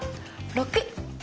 ６。